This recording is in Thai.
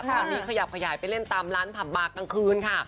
ตอนนี้ขยับขยายไปเล่นตามร้านผับบากกลางคืนค่ะ